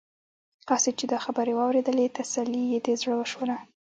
قاصد چې دا خبرې واورېدلې تسلي یې د زړه وشوله.